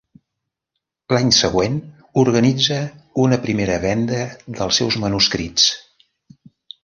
L'any següent organitza una primera venda dels seus manuscrits.